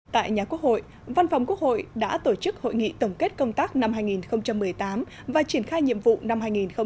tại nhà quốc hội văn phòng quốc hội đã tổ chức hội nghị tổng kết công tác năm hai nghìn một mươi tám và triển khai nhiệm vụ năm hai nghìn một mươi chín